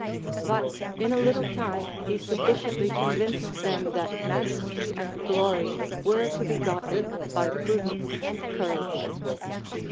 But in a little time he sufficiently convinced them that majesty and glory were to be gotten by prudence and courage.